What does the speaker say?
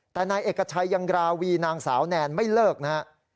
แต่นายเอกชัยยังราวีนางสาวแนนไม่เลิกนะฮะ